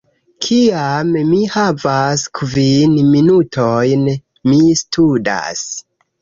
Kiam mi havas kvin minutojn, mi studas